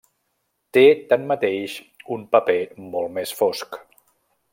Té, tanmateix, un paper molt més fosc.